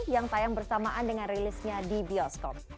yang tayang bersamaan dengan rilisnya di bioskop